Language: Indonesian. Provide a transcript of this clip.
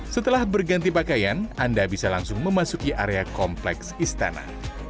setelah berganti pakaian anda bisa langsung memasuki area kompleks istana